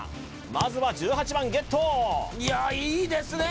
まずは１８番ゲットいやいいですね